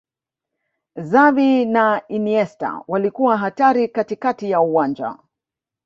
xavi na iniesta walikuwa hatari katikati ya uwanja